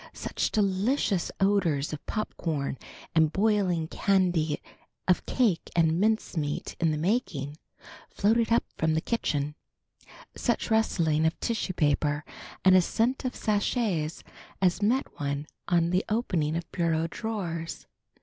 Such delicious odors of popcorn and boiling candy, of cake and mincemeat in the making floated up from the kitchen! Such rustling of tissue paper and scent of sachets as met one on the opening of bureau drawers!